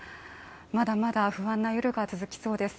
まだまだ不安な夜が続きそうです。